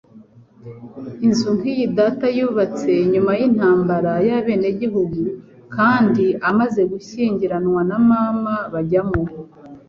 Inzu nk'iyi data yubatse nyuma y'intambara y'abenegihugu, kandi amaze gushyingiranwa na mama bajyamo.